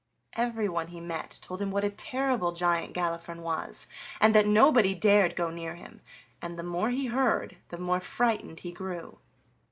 Everyone he met told him what a terrible giant Galifron was, and that nobody dared go near him; and the more he heard, the more frightened he grew.